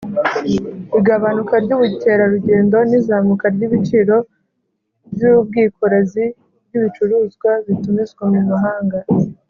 igabanuka ry'ubukerarugendo n'izamuka ry'ibiciro by'ubwikorezi bw'ibicuruzwa bitumizwa mu mahanga.